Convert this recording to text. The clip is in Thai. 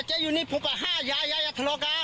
เจ๊อยู่นี่ผมหลุด๕ลี่อย่าทะเลาะ